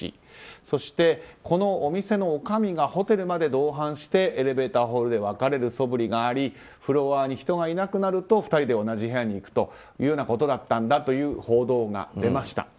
そして、このお店のおかみがホテルまで同伴して、エレベーターホールで別れるそぶりがありフロアに人がいなくなると２人で同じ部屋に行くということだったんだと報道が出ました。